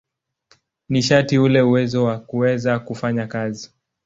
Nishati ni ule uwezo wa kuweza kufanya kazi.